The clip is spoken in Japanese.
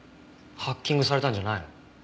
ハッキングされたんじゃないの？